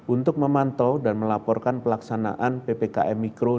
untuk memantau dan melaporkan pelaksanaan ppkm mikro